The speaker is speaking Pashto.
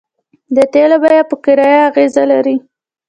د تیلو بیه په کرایه اغیز لري